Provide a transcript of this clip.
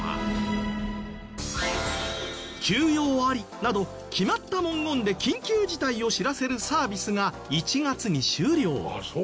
「急用あり」など決まった文言で緊急事態を知らせるサービスが１月に終了。